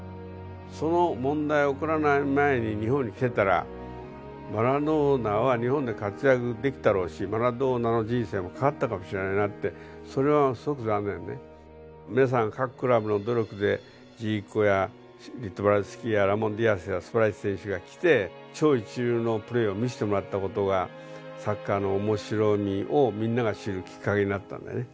その問題が起こらない前に日本に来てたらマラドーナは日本で活躍できたろうしマラドーナの人生も変わったかもしれないなってそれはすごく残念ね皆さん各クラブの努力でジーコやリトバルスキーやらディアスやら素晴らしい選手が来て超一流のプレーを見せてもらったことがサッカーの面白みをみんなが知るきっかけになったんだよね